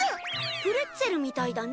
プレッツェルみたいだね。